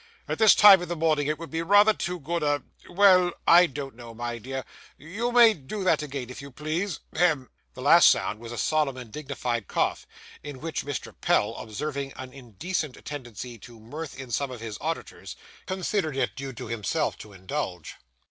At this time of the morning, it would be rather too good a Well, I don't know, my dear you may do that again, if you please. Hem!' This last sound was a solemn and dignified cough, in which Mr. Pell, observing an indecent tendency to mirth in some of his auditors, considered it due to himself to indulge.